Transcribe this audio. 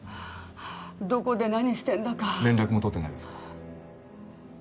どこで何してんだか連絡も取ってないですか？